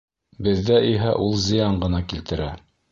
Беҙҙә иһә ул зыян ғына килтерә...